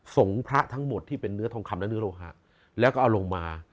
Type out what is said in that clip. พระทั้งหมดที่เป็นเนื้อทองคำและเนื้อโลหะแล้วก็เอาลงมา